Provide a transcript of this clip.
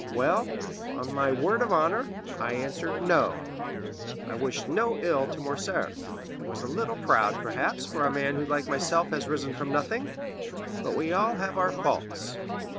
Well, on my word of honor, I answered, 'No!' I wished no ill to Morcerf; he was a little proud, perhaps, for a man who like myself has risen from nothing; but we all have our faults.